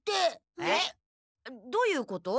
えっ？どういうこと？